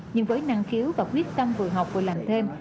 nhưng với năng khiếu và quyết tâm vừa học vừa làm thêm